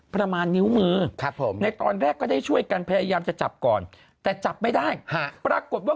ประมาณนิ้วมือในตอนแรกก็ได้ช่วยกันพยายามจะจับก่อนแต่จับไม่ได้ปรากฏว่า